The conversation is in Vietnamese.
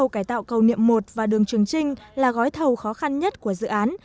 cầu niệm một và đường trường trinh là gói thầu khó khăn nhất của dự án